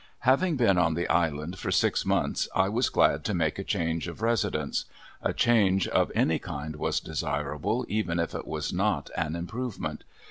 Having been on the Island for six months I was glad to make a change of residence. A change of any kind was desirable even if it was not an improvement.